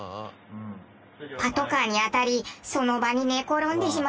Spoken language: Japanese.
パトカーに当たりその場に寝転んでしまいました。